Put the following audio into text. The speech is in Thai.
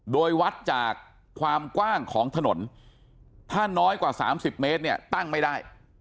โดยวัดจากความกว้างของถนนถ้าน้อยกว่า๓๐เมตรเนี่ยตั้งไม่ได้